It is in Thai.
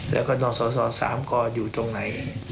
แล้วก็ต้องสอบสอบ๓ก็อยู่ตรงไหน